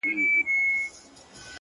مړ مي مړوند دی;